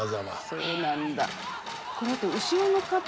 そうなんだ。